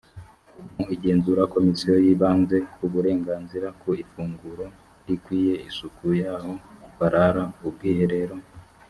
mu igenzura komisiyo yibanze ku burenganzira ku ifunguro rikwiye isuku y aho barara ubwiherero